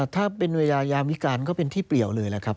ถ้าเป็นเวลายามวิการก็เป็นที่เปลี่ยวเลยแหละครับ